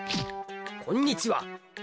こんにちは。